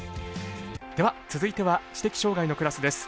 では続いては知的障がいのクラスです。